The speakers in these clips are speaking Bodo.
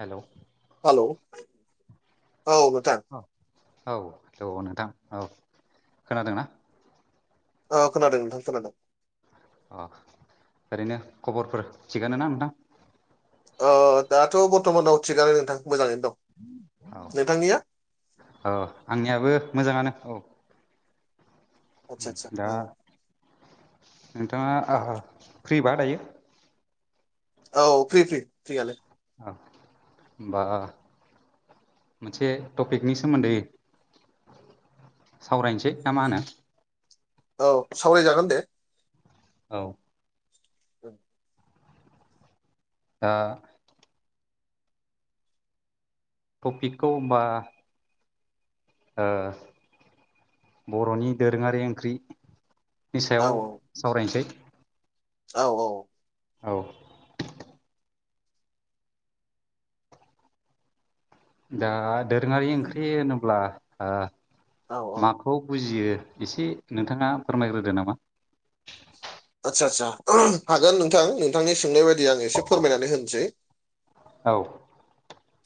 हेल' हेलौ औ नोंथां। औ औ औ नोंथां औ खोनादों ना? अ खोनादों नोंथां खोनादों। अ ओरैनो खबरफोर थिगानो ना नोंथां? ओ दाथ' बरथ'मानाव थिगानो नोंथां मोजाङैनो दं। औ नोंथांनिया औ आंनियाबो मोजाङानो औ। आदसा उम दा आदसा औ नोंथाङा आ ओ फ्रिबा दायो? औ फ्रि फ्रि फ्रिआलाय। औ होमबा मोनसे टपिकनि सोमोन्दै सावरायनोसै ना मा होनो? औ सावरायजागोन दे। औ औ दा टपिकखौ होमबा ओ बर'नि दोरोङारि ओंख्रि औ औ औ औ। औ दा दोरोङारि ओंख्रि होनोब्ला ओ औ औ मा खौ बुजियो एसे नोंथाङा फोरमायग्रोदो नामा। आदसा आदसा हागोन नोंथां नोंथांनि सोंनाय बायदि आं एसे फोरमायनानै होनोसै। औ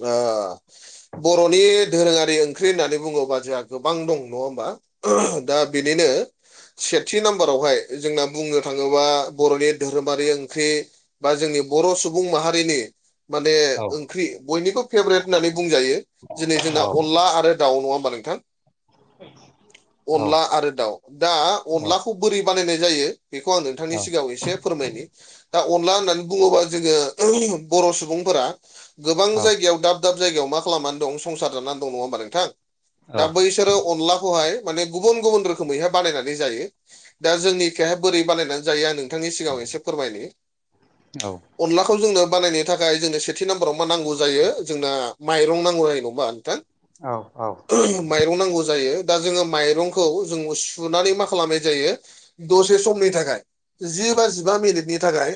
ओ बर'नि दोरोङारि ओंख्रि होननानै बुङोबा जोंहा गोबां दं नङा होमबा? दा बेनिनो सेथि नाम्बारावहाय जोंना बुंनो थाङोबा बर'नि धोरोमारि ओंख्रि बा जोंनि बर' सुबुं माहारिनि माने औ ओंख्रि बेनिखौ फेभरेट होननानै बुंजायो दिनै जोंना अनला आरो दाउ नङा होमबा नोंथां? [inaudible] अनला औ आरो दाउ दा अनला खौ बोरै बानायनाय जायो बेखौ आं नोंथांनि सिगाङाव एसे फोरमायनि दा अनला होननानै बुङोबा जोङो बर' सुबुंफोरा गोबां जायगायाव दाब दाब जायगायाव मा खालामनानै दं संसार जानानै दं नङा होमबा नोंथां दा बैसोरो अनलाखौहाय माने गुबुन गुबुन रोखोमैहाय बानायनानै जायो दा जोंनिखिहाय बोरै बानायनानै जायो आं नों थांनि सिगाङाव एसे फोरमायनि अनलाखौ जोंनो बानायनो थाखाय जोंनो सेथि नाम्ब मा नांगौ जायो जोंना माइरं नांगौ जायो नङा नोंथां? औ औ। माइरं नांगौ जायो दा जोङो माइरंखौ जों सुनानै मा खालामनाय जायो दसे समनि थाखाय जि बा जिबा मिनिटनि थाखाय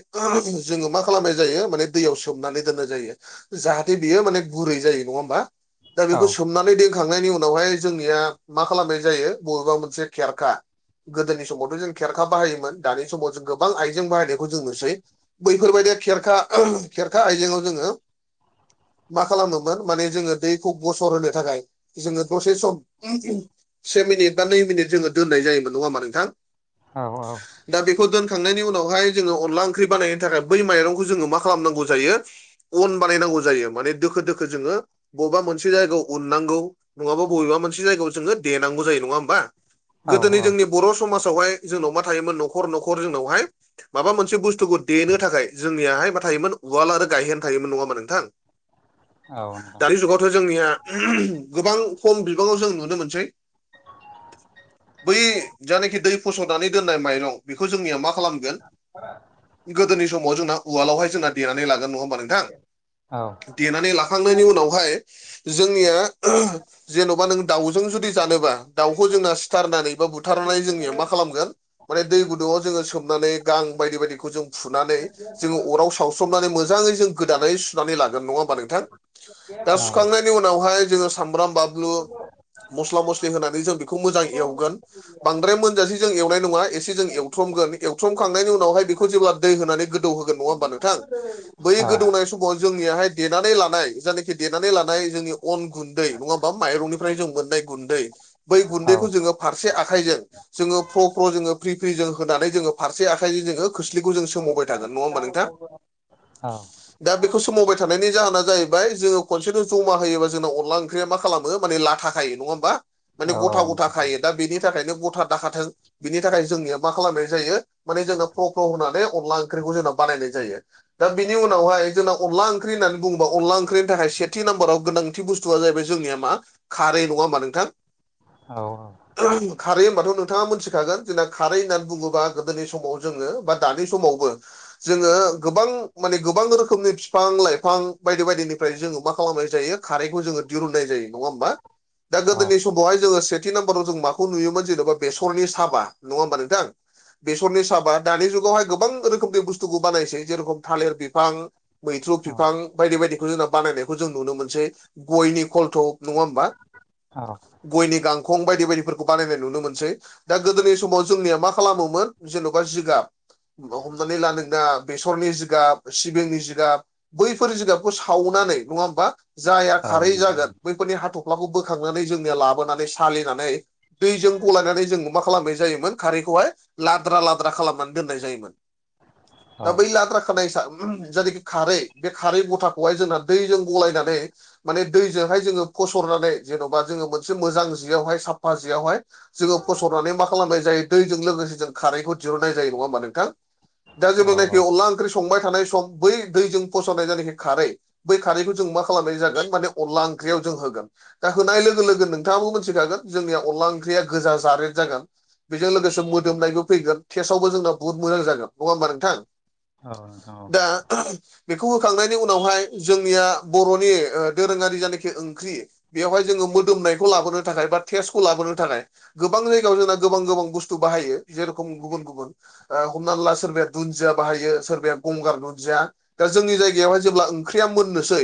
जोङो मा खालामनाय जायो माने दैयाव सोमनानै दोननाय जायो। जाहाथे बेयो माने गुरै जायो नङा होमबा दा औ बेखौ सोमनानै दैखांनायनि उनावहाय जोंनिया मा खालामनाय जायो बबेबा मोनसे खेरखा गोदोनि समावथ' जों खेरखा बाहायोमोन दानि समाव जों गोबां आइजें बाहायनायखौ जों नुसै। बैफोरबायदि खेरखा खेरखा आयजेंयाव जोङो मा खालामोममोन माने जोङो दैखौ गसर होनो थाखाय जोङो दसे सम से मिनिट बा नै मिनिट जोङो दोननाय जायोमोन नङा होनबा नोंथां नोंथां औ दा बेखौ दोन थांनायनि उनावहाय जोङो अनला ओंख्रि बानायनो थाखाय बै माइरंखौ जोङो मा खालामनांगौ जायो। अन बानायनांगौ जायो माने दोखो दोखो जोङो बबेबा मोनसे जायगायाव उननांगौ नङाबा बबेबा मोनसे जायगायाव जोङो देनांगौ जायो नङा होमबा। औ गोदोनि जोंनि बर' समाजावहाय जोंनाव मा थायोमोन न'खर न'खर जोंनावहाय माबा मोनसे बुस्थुखौ देनो थाखाय जोंनियाहाय मा थायोमोन उवाल आरो गायहेन। थायोमोन नङामोन नोंथां औ औ नोंथां दानि जुगाव जोंनिया गोबां खम बिबाङाव जों नुनो मोनसै। बै जानाखि दै फस'नानै दोननाय माइरं बेखौ जोंनिया मा खालामगोन गोदोनि समाव जोंना उवालावहाय जोंना देनानै लागोन नङा होनब औ नोंथां औ थां देनानै लाखांनायनि उनावहाय जोंनिया जेन'बा नों दाउजों जुदि जानोबा दाउखौ जोंना सिथारनानै बा बुथारनानै जोंनिया मा खालामगोन माने दै गुदुंआव जोङो सोमनानै गां बायदि बायदिखौ जों फुनानै जोङो अराव सावस्रमनानै मोजाङै जों गोदानै सुनानै लागोन नङा होनबा नोंथां दा औ सुखांनायनि उनावह जोङ सामबाम बानलु मसला मसिलि होनानै मोजांयै एवगोन बांद्राय मोनजासे जों एवनाय नङा एसे जों एवथ्रमगोन एवथ्रमखांनायनि उनावहाय बेखौ जेब्ला दै होनानै गोदौ होगोन नङा होमब्लानो आह समाव जोंनियाहाय देनानै लानाय जायनाखि देनानै लानाय जोंनि अन गुन्दै नङा होमबा माइरंनिफ्राय जों मोननाय गुन्दै बै गुन्दैखौ जोङो फारसे आखाइजों जोङो प्र फ्र जोङो फ्रि फ्रि जों होनानै जोङो फारसे आखाइजों जोङो खोस्लिखौ जों सोमावबाय थागोन नङा होमबा नोंथां दा बेखौ सोमावबाय थानायनि जाहोना जाहैबाय जोङो खनसेथ' जमा होयोबा जोंना अनला ओंख्रिया मा खालामो माने लाथा खायो नङा होनबा माने गथा गथा खायो दा बेनि थाखायनो गथा दाखाथों बिनि थाखाय जोंनिया मा खालामनाय जायो माने जोंना प्र प्र होनानै अनला ओंख्रिखौ जोंना बानायनाय जायो। दा बिनि उनावहाय जोंना अनला ओंख्रि होननानै बुङोबा अनला ओंख्रिनि थाखाय सेथि नाम्बाराव गोनांथि बुस्थुआ जाहैबाय जोंनिया मा खारै नङा होमबा नोंथां। औ खारै होनबाथ' नोंथाङा मोनथिखागोन जोंना खारै होननानै बुङोबा गोदोनि समाव जोङो बा दानि समावबो जोङो गोबां माने गोबां रोखोमनि बिफां लाइफां बायदि बायदिनिफ्राय जोङो मा खालामनाय जायो खारैखौ जोङो दिहुननाय जायो नङा होमबा। [inaudible] दा औ औ गोदोनि समावहाय जोङो सेथि नाम्बाराव जों माखौ नुयोमोन जेन'बा बेसरनि साबा नङा होमबा नोंथां। बेसरनि साबा दानि जुगावहाय गोबां रोखोमनि बुस्थुखौ बानायनोसै जेरेखम थालिर बिफां मैथ्रु अ बिफां बायदि बायदिखौ जोंना बानायनायखौ जों नुनो मोनसै। गयनि खलथ' नङा होमबा। गयनि गांखं बायदि बायदिफोरखौ बानायनाय नुनो मोनसै। दा गोदोनि समाव जोंनिया मा खालामोमोन जेन'बा जिगाब हमनानै लादों दा बेसरनि गाब सिबिंनि जिगाब बैफोर जिगाबखौ सावनानै नङा होमबा जायहा खारै हागोन जागोन बैफोरनि हाथ'फ्लाखौ बोखांनानै जोंनो लाबोनानै सालिनानै दैजों गलायनानै जों मा खालामनाय जायोमोन खारैखौहाय लाद्रा लाद्रा खालामनानै दोननाय जायोमोन। दाबै लाद्रा [unintelligible] जायनाखि खारै बे खारै गथाखौहाय जोंना दैजों गलायनानै माने दैजोंहाय जोङो फसरनानै जेन'बा जोङो मोनसे मोजां जियावहाय साफा जियावहाय जोङो फसरनानै मा खालामनाय जायो दैजों लोगोसे जों खारैखौ दिहुननाय जायो नङा होमा नोंथां जब्लानानायखि अनला ओंख्रि संबाय थानाय सम बै दैजों फसावनाय जायनाखि खारै बै खारैखौ जों मा खालामनाय जागोन माने अनला ओंख्रियाव जों होगोन। दा होनाय लोगो लोगो नोंथाङाबो मिथिखागोन जोंनिया अनला ओंख्रिया गोजा जारेद जागोन। बेजों लोगोसे मोदोमनायबो फैगोन टेस्ट आवबो बहु मोजां जागोन नङा होमबा नोंथां? औ दा बेखौ होखांनायनि उनावहाय जोंनिया बर'नि दोरोङारि जायनाखि ओंख्रि बेवहाय जोङो मोदोमनायखौ लाबोनो थाखाय बा टेस्टखौ लाबोनो थाखाय गोबां जायगायाव जोंना गोबां गोबां बुस्थु बाहायो जेरेखम गुबुन गुबुन ओ हमनानै ला सोरबाया दुनन्दिया बाहायो सोर बाया गंगार नुजया दा जोंनि जायगायावहाय जेब्ला ओंख्रिया मोननोसै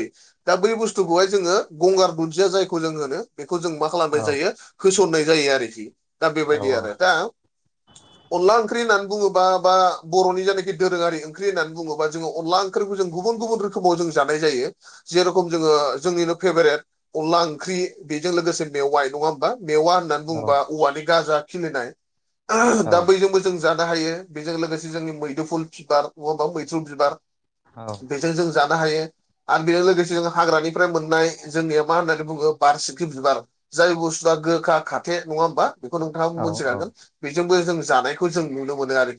दा बै बुस्थुखौहाय जोङो गंगार दुन्दिया जायखौ जों होनो बेखौ जों मा खालामनाय जायो होसननाय जायो आरोखि दा बेबायदि आरो दा अनला ओंख्रि होननानै बुङोबा बा बर'नि जायनाखि दोरोङारि ओंख्रि होननानै बुङोबा जोङो अनला ओंख्रिखौ जों गुबुन गुबुन रोखोमाव जों जानाय जायो। जेरखम जोङो जोंनिनो फेभारेट अनला ओंख्रि बेजों लोगोसे मेवाइ नङा होमबा मेवा होनना बुंबा औवानि गाजा खिलिनाय दा बैजोंबो जों जानो हायो बेजों लोगोसे जोंनि मैदुफुल बिबार [unintelligible] मैथ्रु बिबार बेजों जों जानो हायो। आरो बेजों लोगोसे जों हाग्रानिफ्राय मोननाय जोंनिया मा होननानै बुङो बारसिंख्रि बिबार जाय बुस्थुआ गोखा खाथे नङा होमबा? बेखौ नोंथाङा मोनथिखागोन बेजोंबो जों जानायखौ जों नुनो मोनो आरो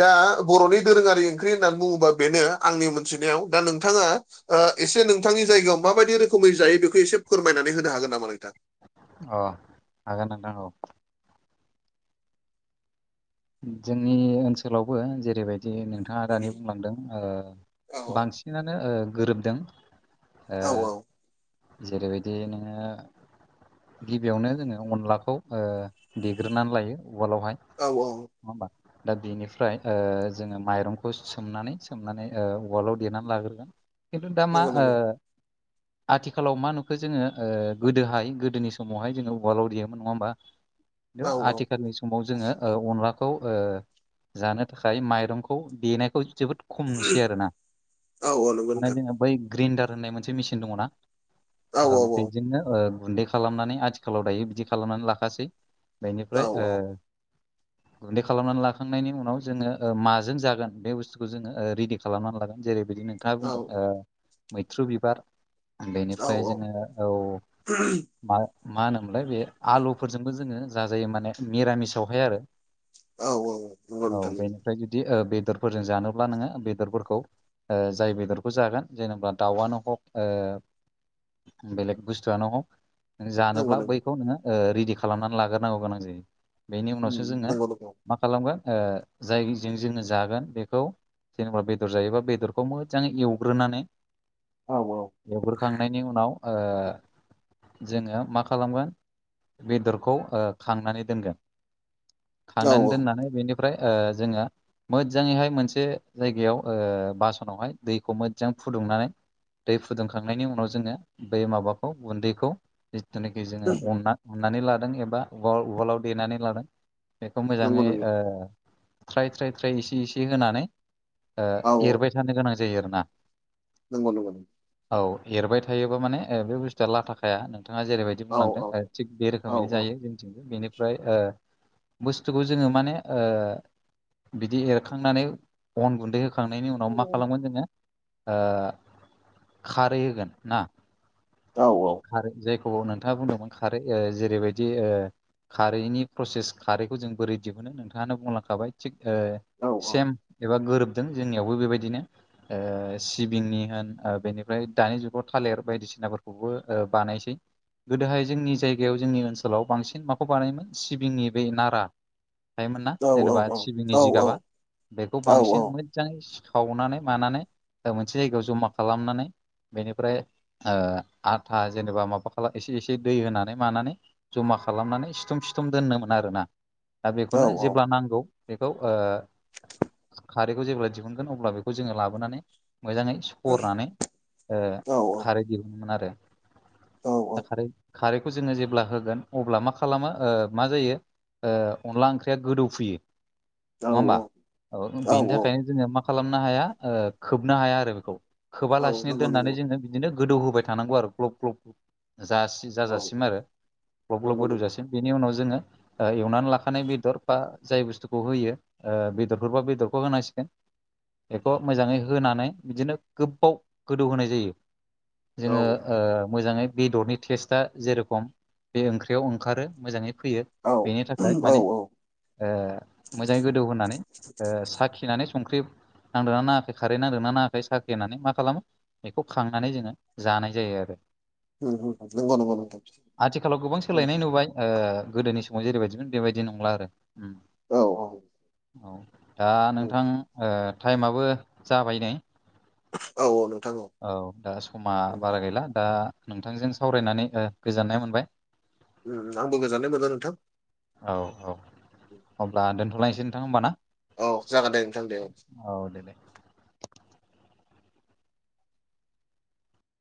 दा बर'नि दोरोङारि ओंख्रि होननानै बुङोबा बेनो आंनि मोनथिनायाव दा नोंथाङा ओ एसे नोंथांनि जायगायाव माबायदि रोखोमै जायो बेखौ एसे फोरमायनानै होनो हागोन नामा नोंथां? अ हागोन नोंथां औ जोंनि ओनसोलावबो जेरैबायदि नोंथाङा दानि बुंलांदों औ ओ बांसिन सिनानो ओ गोरोबदों ओ औ जेरैबायदि नोङो गिबियावनो जोङो अनलाखौ ओ देग्रोनानै लायो उवालावहाय। औ औ नङा होनबा? दा बेनिफ्राय ओ जोङो माइरंखौ सोमनानै सोमनानै ओ उवालाव देरनानै लाग्रोगोन। खिन्थु दा मा नंगौ ओ नंगौ आथिखालाव मा नुखो जोङो ओ गोदोहाय गोदोनि समावहाय जोङो उवालाव देयोमोन नङा होमबा? औ आथिखालनि समाव जोङो ओ अनलाखौ खौ ओ जानो थाखाय माइरंखौ देनायखौ जोबोद खम नुसै आरो ना औ औ नंगौ माने नोंथां जोंहा बै ग्रेन्डार होननाय मोनसे मेचिन दङ ना? औ ओ औ बेजोंनो ओ गुन्दै खालामनानै आथिखालाव दायो बिदि खालामनानै लाखासै। औ बेनिफ्राय ओ गुन्दै खालामनानै लाखांनायनि उनाव जोङो ओ माजों जागोन बे बुस्थुखौ जोङो ओ रेडि खालामनानै लागोन। जेरै बिदिनो नोंथाङा बुंदों ओ मैथ्रु बिबार औ उन्दैनिफ्राय जोङो औ मा मा होनोमोनलाय बे आलुफोरजोंबो जोङो जाजायो माने मिरामिस आवहाय आरो। औ औ औ। नंगौ औ नोंथां नंगौ बेनिफ्राय जुदि ओ बेदरफोरजों जानोब्ला नोङो बेदरफोरखौ ओ जाय बेदरखौ जागोन जेनेबा दायानो हक ओ बेलेग बुस्थुयानो हक। नंगौ जानोब्ला नंगौ बैखौ नोङो ओ रेडि खालामनानै लाग्रोनांगौ गोनां जायो बेनि उम उनावसो जोङो नंगौ नंगौ मा खालामगोन ओ जायजों जोङो जागोन बेखौ जेनेबा बेदर जायोबा बेदरखौ मोजाङै एवग्रोनानै औ औ एवग्रोखांनायनि उनाव ओ जोङो मा खालामगोन बेदरखौ ओ खांनानै दोनगोन। औ खांनानै औ दोननानै बेनिफ्राय ओ जोङो मोजाङैहाय मोनसे जायगायाव ओ बासनावहाय दैखौ मोजां फुदुंनानै दै फुदुंखांनायनि उनाव जोङो बै माबाखौ गुन्दैखौ जिथुनाखि जोङो अनना उनानै लादों एबा उवाल उवालाव देनानै लादों। बेखौ नंगौ मोजाङै नंगौ ओ थ्राय थ्राय थ्राय एसे एसे होनानै ओ औ एरबाय थानो गोनां जायो आरो ना। नोंगौ नोंगौ नों औ एरबाय थायोबा माने ओ बे बुस्थुया लाथाखाया नोंथाङा जेरैबाय दि औ बुंलांदों औ ओ थिग बे औ रोखोमैनो औ जायो जोंनिथिंबो बेनिफ्राय ओ बुस्थुखौ जोङो माने ओ बिदि एरखांनानै अन गुन्दै होखांनायनि उनाव मा खालामगोन जोङो ओ खारै होगोन ना। औ औ। खारै जायखौ नोंथाङा बुंदोंमोन खारै ओ जेरैबायदि ओ खारैनि प्रसेस खारैखौ जों बोरै दिहुनो नोंथाङानो बुंलांखाबाय। थिग ओ औ औ सेम एबा गोरोबदों जोंनियावबो बेबायदिनो। ओ सिबिंनि होन ओ बेनिफ्राय दानि जुगाव थालिर बायदिसिनाफोरखौबो ओ बानायसै। गोदोहाय जोंनि जायगायाव जोंनि ओनसोलाव बांसिन माखौ बानायोमोन सिबिंनि बै नारा थायोमोन ना जेनेबा औ औ सिबिंनि जिगाबा बेखौ औ औ बांसिन मो जाङै सावनानै मानानै मोनसे जायगायाव जमा खालामनानै बेनिफ्राय ओ आथा जेनेबा माबा खालाम एसे एसे दै होनानै मानानै जमा खालामनानै सिथुम सिथुम दोननोमोन आरोना। दा बेखौनो जेब्ला नांगौ बेखौ ओ खारैखौ जेब्ला दिहुनगोन अब्ला बेखौ जोङो लाबोनानै मोजाङै सरनानै ओ खारै दिहुमोन आरो। खारै खारैखौ जोङो जेब्ला होगोन अब्ला मा खालामो ओ मा जायो ओ अनला ओंख्रिया गोदौफुयो। औ नङा होमबा? औ बेनि थाखायनो जोङो मा खालामनो हाया ओ खोबनो हाया आरो बेखौ‌। औ खोबालासिनो नंगौ दोननानै नंगौ जोङो बिदिनो गोदौ होबाय थानांगौ आरो ग्लब ग्लब [unintelligible] जास्ट औ जाजासिम आरो ग्लब ग्लब नंगौ नंगौ गोदौजासिम बेनि उनाव जोङो ओ एवनानै लाखानाय बेदर बा जाय बुस्थुखौ होयो ओ बेदरफोरबो बेदरखौ होनांसिगोन। बेखौ मोजाङै होनानै बिदिनो गोबाव गोदौ होनाय जायो। औ जोङो औ ओ मोजाङै बे बेदरनि टेस्टआ जेरेखम बे ओंख्रियाव ओंखारो मोजाङै फैयो। बेनि थाखाय औ माने औ ओ मोजाङै गोदौ होनानै ओ साखिनानै संख्रि नांदोंना नाङाखै खारै नांदोंना नाङाखै साख्रि होननानै मा खालामो बेखौ खांनानै जोङो जानाय जायो आरो नंगौ नंगौ नोंथां आथिखालाव गोबां औ सोलायनाय नुबाय ओ गोदोनि समाव जेरैबायदिमोन बेबायदि नंला आरो औ औ औ दा नोंथां टाइमाबो जाबाय नै औ औ नोंथां औ औ दा समा बारा गैला दा नोंथांजों सावरायनानै ओ गोजोननाय मोनबाय उम आंबो गोजाननाय मोनदों नोंथां। औ औ अब्ला दोन्थ'लायनोसै नोंथां होमबा ना? औ जागोन दे नोंथां दे औ। औ दे दे।